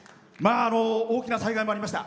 大きな災害もありました。